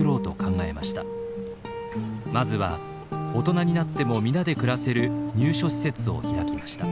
まずは大人になっても皆で暮らせる入所施設を開きました。